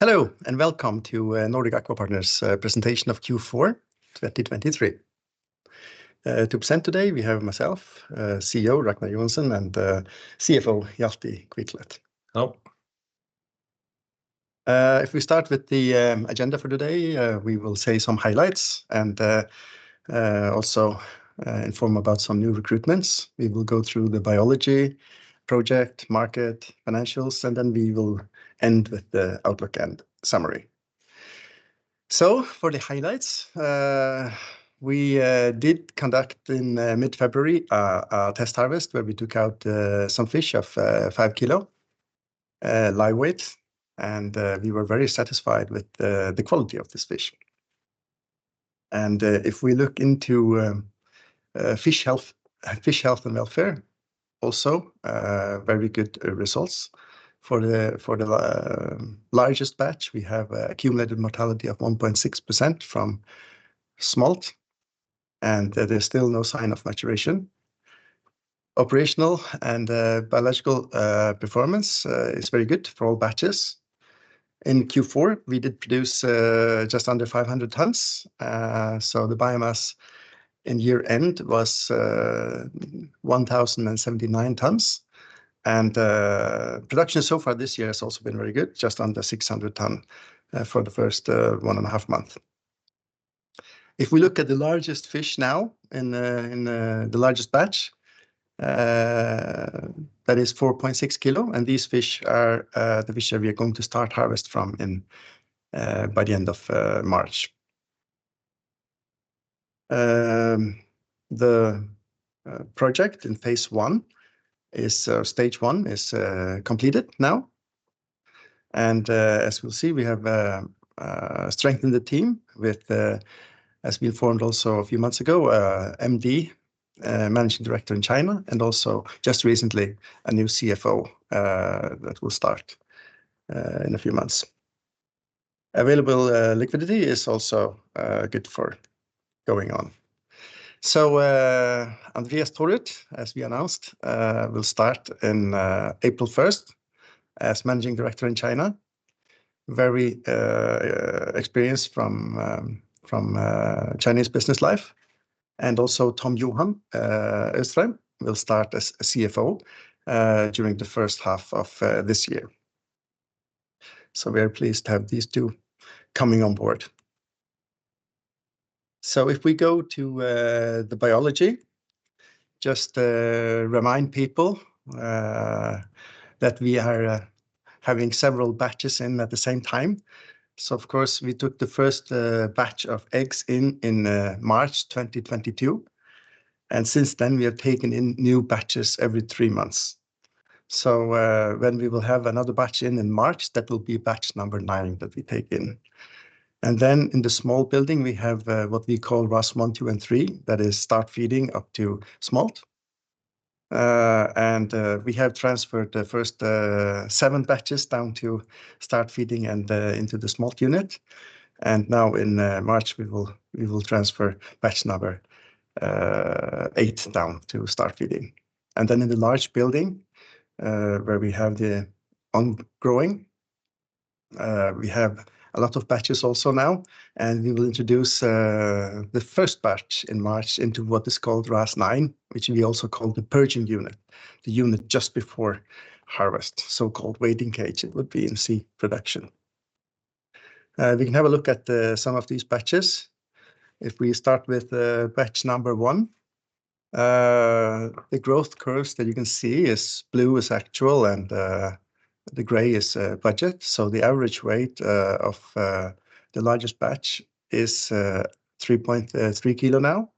Hello, and welcome to Nordic Aqua Partners' presentation of Q4 2023. To present today, we have myself, CEO Ragnar Joensen, and CFO Hjalti Hvítklett. Hello. If we start with the agenda for today, we will say some highlights and also inform about some new recruitments. We will go through the biology, project, market, financials, and then we will end with the outlook and summary. So for the highlights, we did conduct in mid-February a test harvest, where we took out some fish of 5 kg live weight, and we were very satisfied with the quality of this fish. And if we look into fish health and welfare, also very good results. For the largest batch, we have accumulated mortality of 1.6% from smolt, and there is still no sign of maturation. Operational and biological performance is very good for all batches. In Q4, we did produce just under 500 tons. So the biomass in year-end was 1,079 tons, and production so far this year has also been very good, just under 600 ton for the first one and a half month. If we look at the largest fish now in the largest batch, that is 4.6 kg, and these fish are the fish that we are going to start harvest from in by the end of March. The project in phase one, stage one, is completed now. As you will see, we have strengthened the team with, as we informed also a few months ago, a MD, Managing Director in China, and also just recently, a new CFO, that will start in a few months. Available liquidity is also good for going on. So, Andreas Thorud, as we announced, will start in April 1st as Managing Director in China. Very experienced from Chinese business life. And also Tom Johan Austrheim will start as CFO during the first half of this year. So we are pleased to have these two coming on board. So if we go to the biology, just to remind people, that we are having several batches in at the same time. So of course, we took the first batch of eggs in March 2022, and since then, we have taken in new batches every three months. So, when we will have another batch in March, that will be batch number nine that we take in. And then in the small building, we have what we call RAS one, two, and three. That is start feeding up to smolt. And we have transferred the first seven batches down to start feeding and into the smolt unit. And now in March, we will transfer batch number eight down to start feeding. Then in the large building, where we have the on growing, we have a lot of batches also now, and we will introduce the first batch in March into what is called RAS 9, which we also call the purging unit, the unit just before harvest, so-called waiting cage it would be in sea production. We can have a look at some of these batches. If we start with batch number 1, the growth curves that you can see is blue is actual, and the gray is budget. So the average weight of the largest batch is 3.3 kg now,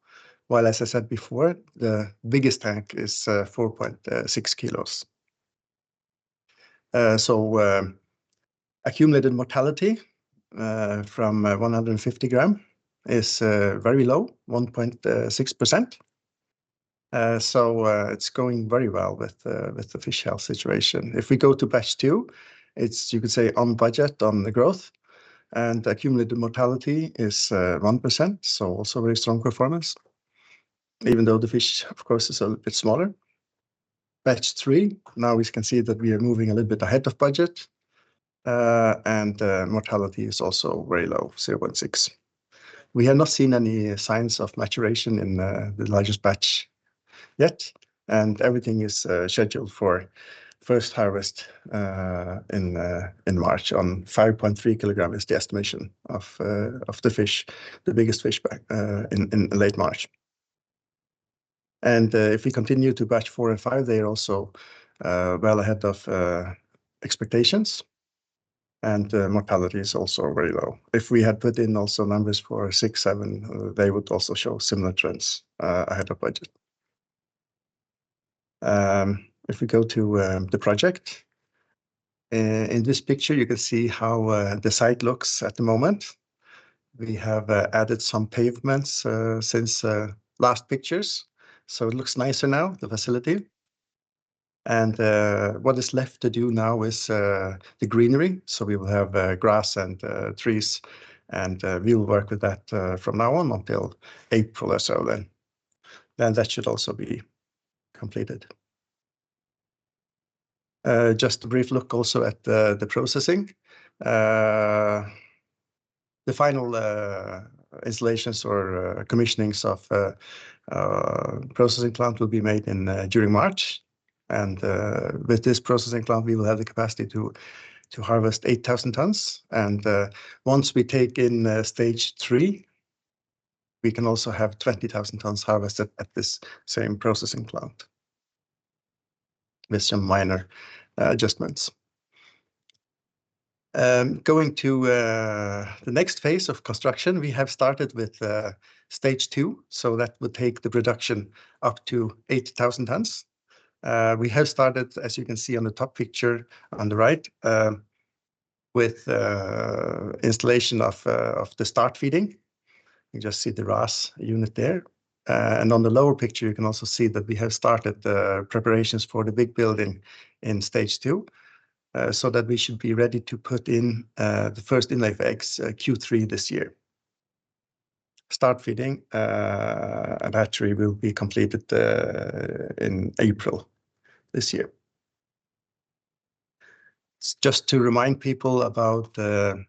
while, as I said before, the biggest tank is 4.6 kg. So, accumulated mortality from 150 gram is very low, 1.6%. So, it's going very well with the fish health situation. If we go to batch two, it's you could say, on budget on the growth and accumulated mortality is 1%, so also very strong performance, even though the fish, of course, is a little bit smaller. Batch 3, now we can see that we are moving a little bit ahead of budget, and the mortality is also very low. We have not seen any signs of maturation in the largest batch yet, and everything is scheduled for first harvest in March on 5.3 kg is the estimation of the fish, the biggest fish, in late March. If we continue to batch four and five, they are also well ahead of expectations, and the mortality is also very low. If we had put in also numbers for six, seven, they would also show similar trends ahead of budget. If we go to the project, in this picture, you can see how the site looks at the moment. We have added some pavements since last pictures, so it looks nicer now, the facility. And what is left to do now is the greenery, so we will have grass and trees, and we will work with that from now on until April or so, then. That should also be completed... Just a brief look also at the processing. The final installations or commissionings of the processing plant will be made during March. With this processing plant, we will have the capacity to harvest 8,000 tons. Once we take in stage three, we can also have 20,000 tons harvested at this same processing plant with some minor adjustments. Going to the next phase of construction, we have started with stage two, so that will take the production up to 8,000 tons. We have started, as you can see on the top picture on the right, with installation of the start feeding. You just see the RAS unit there. And on the lower picture, you can also see that we have started the preparations for the big building in stage two, so that we should be ready to put in the first in-lay eggs, Q3 this year. Start feeding, and hatchery will be completed in April this year. Just to remind people about the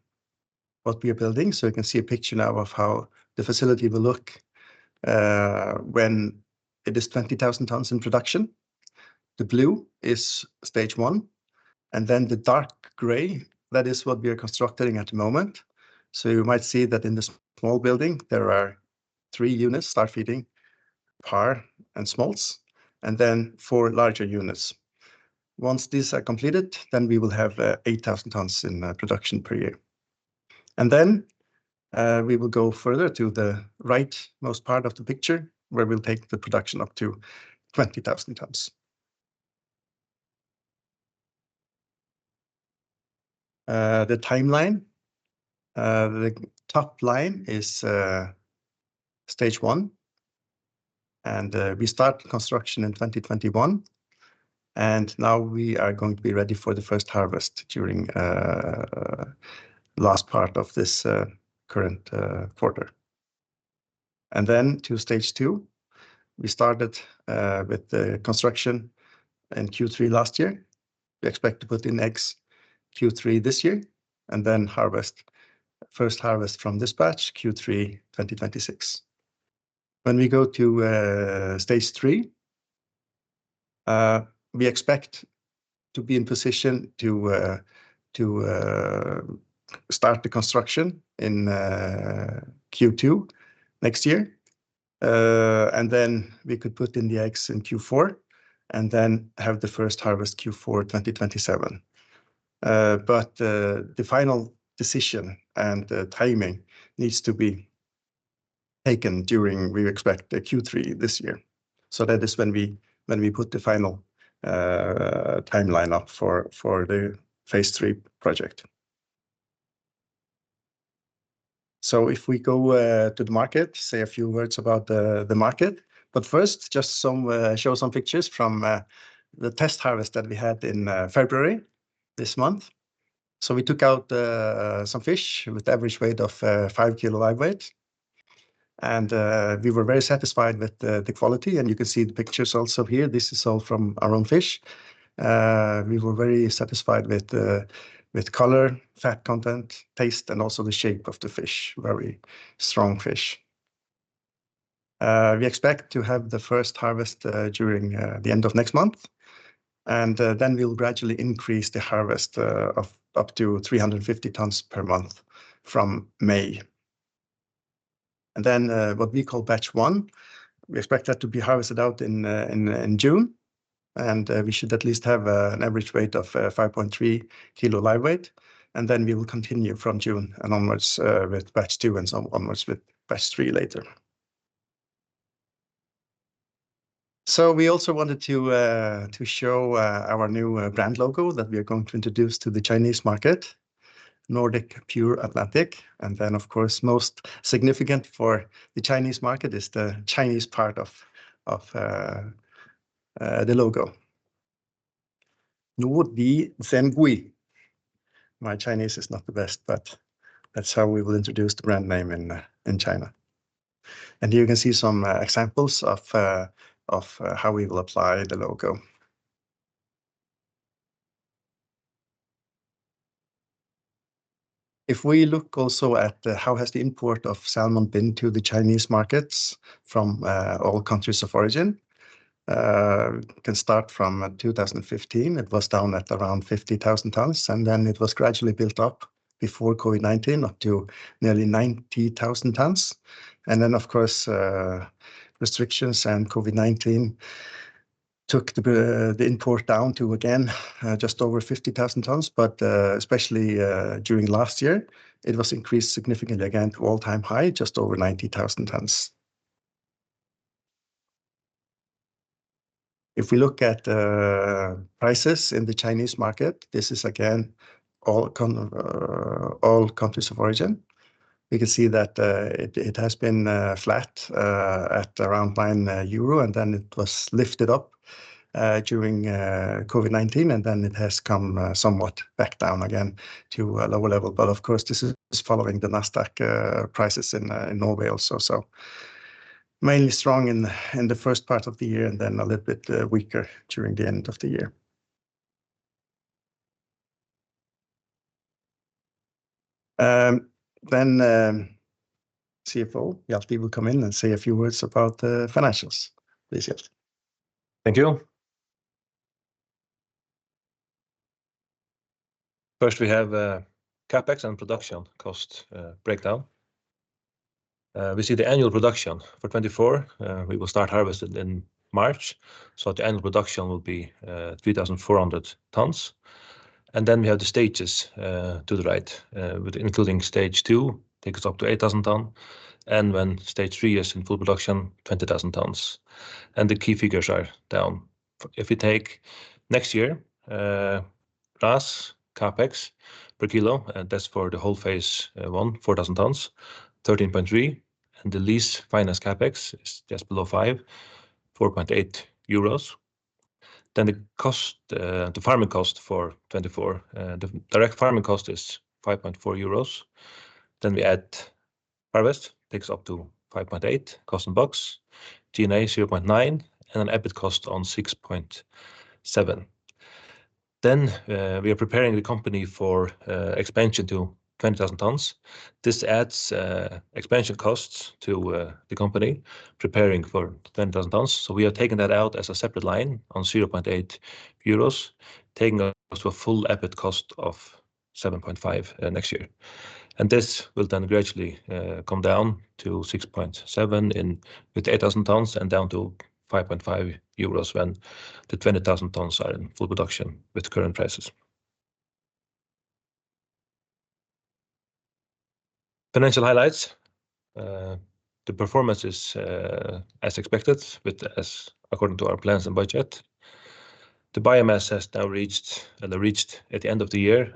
what we are building, so you can see a picture now of how the facility will look when it is 20,000 tons in production. The blue is stage one, and then the dark gray, that is what we are constructing at the moment. So you might see that in this small building, there are three units, start feeding, parr and smolts, and then four larger units. Once these are completed, then we will have 8,000 tons in production per year. And then, we will go further to the right-most part of the picture, where we'll take the production up to 20,000 tons. The timeline. The top line is stage one, and we start construction in 2021, and now we are going to be ready for the first harvest during last part of this current quarter. And then to stage two, we started with the construction in Q3 last year. We expect to put in eggs Q3 this year, and then harvest, first harvest from this batch, Q3 2026. When we go to stage three, we expect to be in position to start the construction in Q2 next year. And then we could put in the eggs in Q4, and then have the first harvest Q4 2027. But the final decision and the timing needs to be taken during, we expect, the Q3 this year. So that is when we put the final timeline up for the phase 3 project. So if we go to the market, say a few words about the market, but first, just show some pictures from the test harvest that we had in February this month. So we took out some fish with average weight of 5 kg live weight, and we were very satisfied with the quality, and you can see the pictures also here. This is all from our own fish. We were very satisfied with color, fat content, taste, and also the shape of the fish. Very strong fish. We expect to have the first harvest during the end of next month, and then we'll gradually increase the harvest of up to 350 tons per month from May. And then, what we call batch one, we expect that to be harvested out in June, and we should at least have an average weight of 5.3 kg live weight. And then we will continue from June and onwards with batch two and so onwards with batch three later. So we also wanted to show our new brand logo that we are going to introduce to the Chinese market, Nordic Pure Atlantic. And then, of course, most significant for the Chinese market is the Chinese part of the logo. Nuodi Zhengui. My Chinese is not the best, but that's how we will introduce the brand name in China. And you can see some examples of how we will apply the logo. If we look also at how has the import of salmon been to the Chinese markets from all countries of origin, can start from 2015. It was down at around 50,000 tons, and then it was gradually built up before COVID-19, up to nearly 90,000 tons. And then, of course, restrictions and COVID-19 took the import down to again just over 50,000 tons, but especially during last year, it was increased significantly again to all-time high, just over 90,000 tons. If we look at prices in the Chinese market, this is again all countries of origin. We can see that it has been flat at around 9 euro, and then it was lifted up during COVID-19, and then it has come somewhat back down again to a lower level. But of course, this is following the Nasdaq prices in Norway also. Mainly strong in the first part of the year, and then a little bit weaker during the end of the year. Then CFO Hjalti will come in and say a few words about the financials. Please, Hjalti. Thank you. First, we have CapEx and production cost breakdown. We see the annual production for 2024. We will start harvesting in March, so the annual production will be 3,400 tons. And then we have the stages to the right, with including stage two, takes us up to 8,000 tons, and when stage three is in full production, 20,000 tons. And the key figures are down. If we take next year, plus CapEx per kilo, and that's for the whole phase one, 4,000 tons, 13.3, and the lease finance CapEx is just below 5, 4.8 euros. Then the cost, the farming cost for 2024, the direct farming cost is 5.4 euros. Then we add harvest, takes up to 5.8, COGS, G&A is 0.9, and an EBIT cost of 6.7. Then, we are preparing the company for expansion to 20,000 tons. This adds expansion costs to the company, preparing for 20,000 tons. So we are taking that out as a separate line on 0.8 euros, taking us to a full EBIT cost of 7.5 next year. And this will then gradually come down to 6.7 in- with 8,000 tons and down to 5.5 euros when the 20,000 tons are in full production with current prices. Financial highlights. The performance is as expected, with as according to our plans and budget. The biomass has now reached, and reached at the end of the year,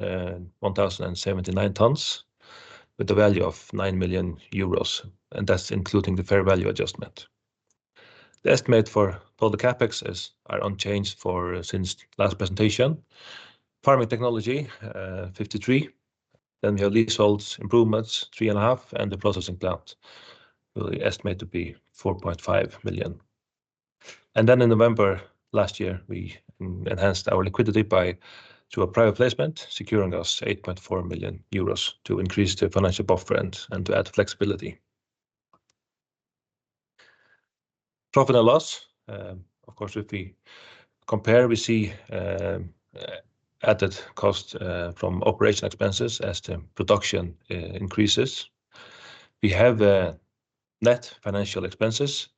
1,079 tons, with a value of 9 million euros, and that's including the fair value adjustment. The estimate for all the CapExes are unchanged since last presentation. Farming technology, 53 million, then we have leasehold improvements, 3.5 million, and the processing plant, we estimate to be 4.5 million. Then in November last year, we enhanced our liquidity through a private placement, securing us 8.4 million euros to increase the financial buffer and to add flexibility. Profit and loss. Of course, if we compare, we see added cost from operating expenses as the production increases. We have net financial expenses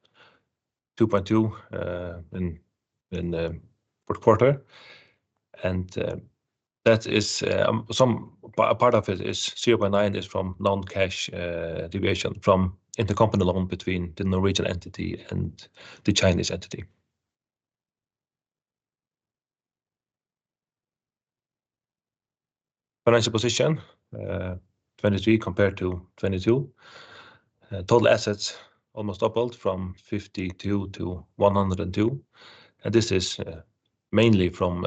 of 2.2 million in the fourth quarter, and that is a part of it is 0.9 million is from non-cash deviation from intercompany loan between the Norwegian entity and the Chinese entity. Financial position 2023 compared to 2022. Total assets almost doubled from 52 million to 102 million, and this is mainly from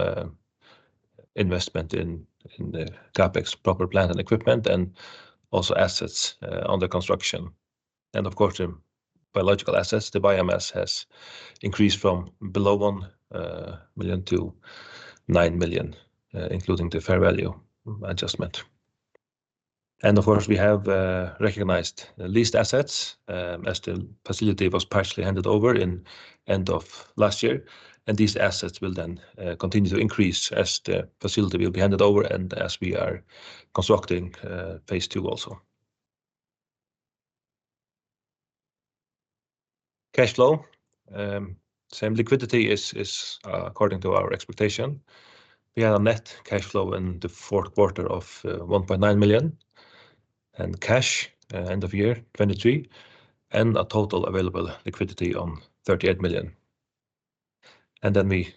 investment in the CapEx, property plant and equipment, and also assets under construction. And of course, the biological assets, the biomass has increased from below 1 million to 9 million, including the fair value adjustment. Of course, we have recognized the leased assets, as the facility was partially handed over in end of last year, and these assets will then continue to increase as the facility will be handed over and as we are constructing phase two also. Cash flow. Same liquidity is according to our expectation. We had a net cash flow in the fourth quarter of 1.9 million, and cash end of year 2023, and a total available liquidity on 38 million. And then we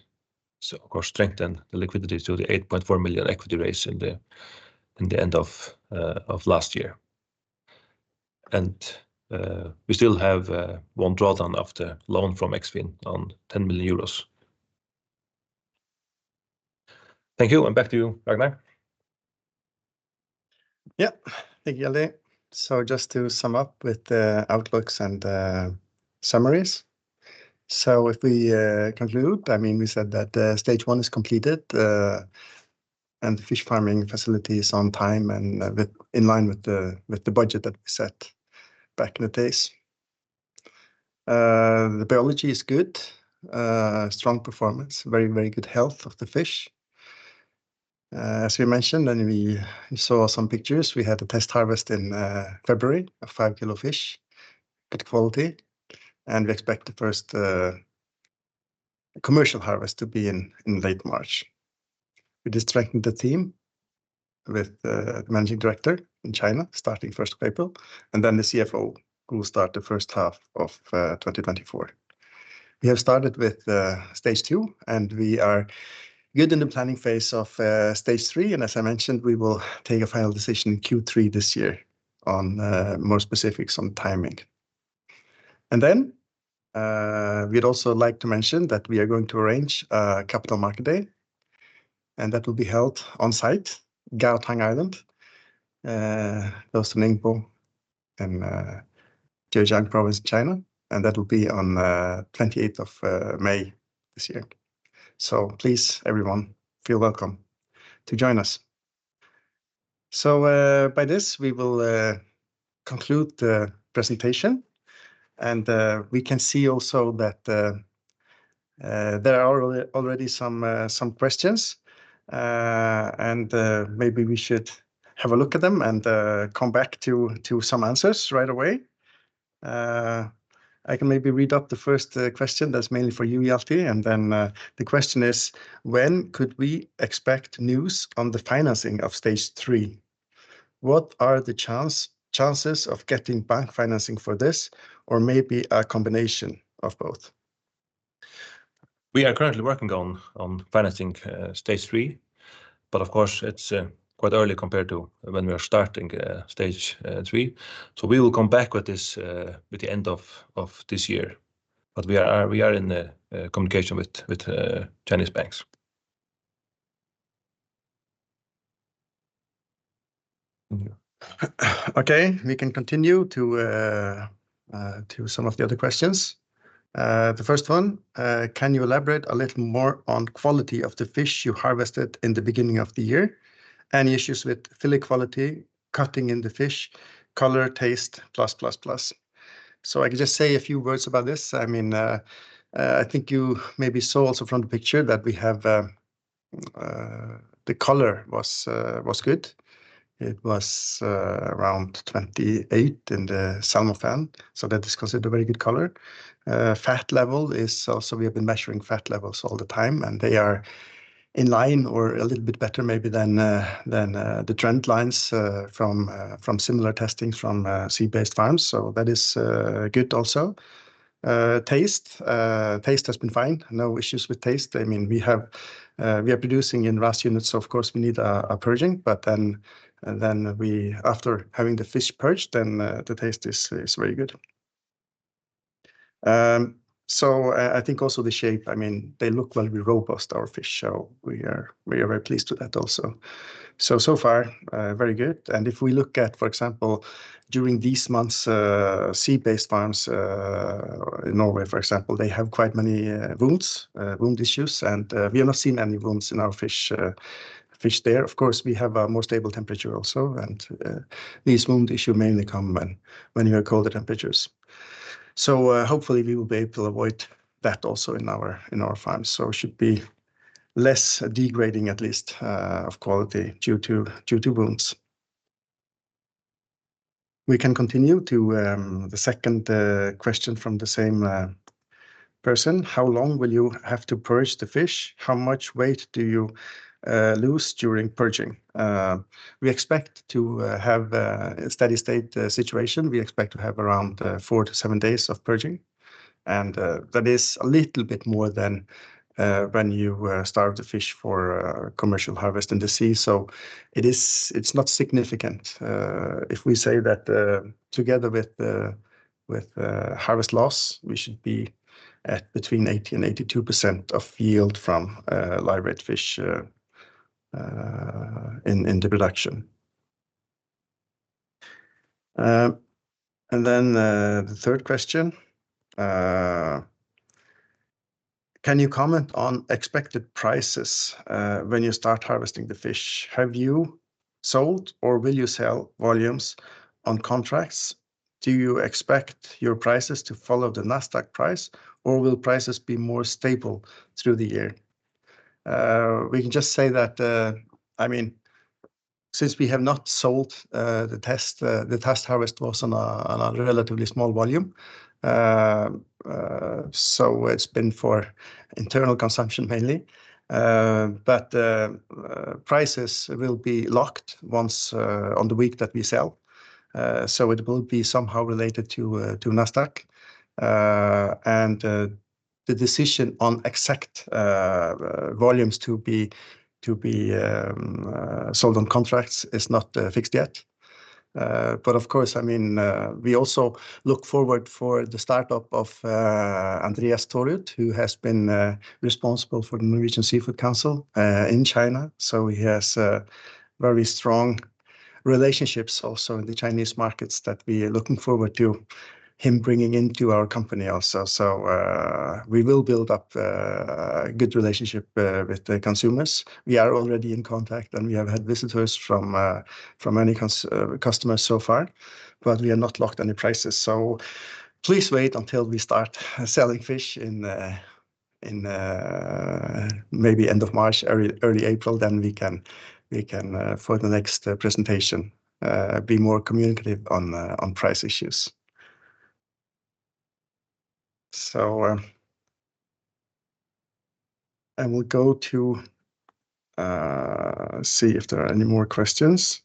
so of course strengthened the liquidity to the 8.4 million equity raise in the end of last year. And we still have one drawdown of the loan from Eksfin on 10 million euros. Thank you, and back to you, Ragnar. Yeah. Thank you, Hjalti. So just to sum up with the outlooks and, summaries. So if we, conclude, I mean, we said that, stage one is completed, and the fish farming facility is on time and a bit in line with the, with the budget that we set back in the days. The biology is good, strong performance, very, very good health of the fish. As we mentioned, and we saw some pictures, we had a test harvest in, February, of 5 kilo fish, good quality, and we expect the first, commercial harvest to be in, in late March. We just strengthened the team with, Managing Director in China, starting first of April, and then the CFO, who will start the first half of, 2024. We have started with stage two, and we are good in the planning phase of stage three, and as I mentioned, we will take a final decision in Q3 this year on more specifics on timing. And then, we'd also like to mention that we are going to arrange a capital market day... and that will be held on site, Gaotang Island, close to Ningbo and Zhejiang Province, China, and that will be on 28th of May this year. So please, everyone, feel welcome to join us. So by this, we will conclude the presentation, and we can see also that there are already some questions. And maybe we should have a look at them and come back to some answers right away. I can maybe read out the first question that's mainly for you, Hjalti, and then the question is: "When could we expect news on the financing of stage three? What are the chances of getting bank financing for this, or maybe a combination of both? We are currently working on financing stage three, but of course, it's quite early compared to when we are starting stage three. So we will come back with this with the end of this year. But we are in communication with Chinese banks. Thank you. Okay, we can continue to some of the other questions. The first one: "Can you elaborate a little more on quality of the fish you harvested in the beginning of the year? Any issues with fillet quality, cutting in the fish, color, taste, plus, plus, plus?" So I can just say a few words about this. I mean, I think you maybe saw also from the picture that we have. The color was good. It was around 28 in the SalmoFan, so that is considered very good color. Fat level is also. We have been measuring fat levels all the time, and they are in line or a little bit better maybe than the trend lines from similar testings from sea-based farms, so that is good also. Taste has been fine, no issues with taste. I mean, we are producing in RAS units, so of course, we need a purging, but then, after having the fish purged, then the taste is very good. So, I think also the shape, I mean, they look very robust, our fish, so we are very pleased with that also. So far, very good, and if we look at, for example, during these months, sea-based farms in Norway, for example, they have quite many wounds, wound issues, and we have not seen any wounds in our fish there. Of course, we have a more stable temperature also, and these wound issues mainly come when you have colder temperatures. So, hopefully we will be able to avoid that also in our farms. So it should be less degrading, at least, of quality, due to wounds. We can continue to the second question from the same person: "How long will you have to purge the fish? How much weight do you lose during purging?" We expect to have a steady state situation. We expect to have around 4-7 days of purging, and that is a little bit more than when you starve the fish for commercial harvest in the sea. So it's not significant. If we say that, together with the harvest loss, we should be at between 80% and 82% of yield from live weight fish in the production. And then, the third question: "Can you comment on expected prices when you start harvesting the fish? Have you sold or will you sell volumes on contracts? Do you expect your prices to follow the Nasdaq price, or will prices be more stable through the year?" We can just say that, I mean, since we have not sold the test harvest was on a relatively small volume. So it's been for internal consumption mainly. But prices will be locked once on the week that we sell. So it will be somehow related to Nasdaq, and the decision on exact volumes to be sold on contracts is not fixed yet. But of course, I mean, we also look forward for the startup of Andreas Thorud, who has been responsible for the Norwegian Seafood Council in China. So he has very strong relationships also in the Chinese markets that we are looking forward to him bringing into our company also. So we will build up a good relationship with the consumers. We are already in contact, and we have had visitors from many customers so far, but we have not locked any prices. So please wait until we start selling fish in, in, maybe end of March, early, early April, then we can, we can, for the next, presentation, be more communicative on, on price issues. So, I will go to, see if there are any more questions.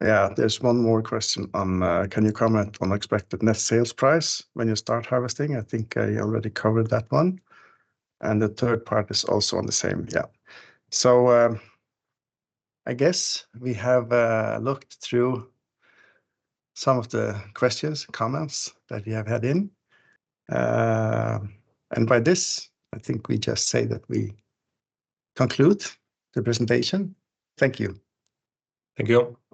Yeah, there's one more question on: "Can you comment on expected net sales price when you start harvesting?" I think I already covered that one, and the third part is also on the same. Yeah. So, I guess we have, looked through some of the questions and comments that we have had in, and by this, I think we just say that we conclude the presentation. Thank you. Thank you.